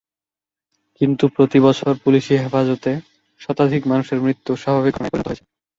কিন্তু প্রতিবছর পুলিশি হেফাজতে শতাধিক মানুষের মৃত্যু স্বাভাবিক ঘটনায় পরিণত হয়েছে।